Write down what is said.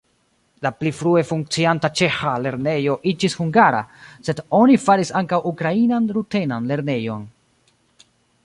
La pli frue funkcianta ĉeĥa lernejo iĝis hungara, sed oni faris ankaŭ ukrainan-rutenan lernejon.